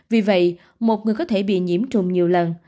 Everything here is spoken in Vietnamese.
vì vậy một người có thể bị nhiễm trùng nhiều lần